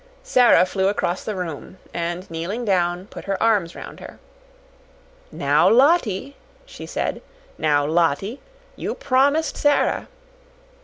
Sara flew across the room and, kneeling down, put her arms round her. "Now, Lottie," she said. "Now, Lottie, you PROMISED Sara."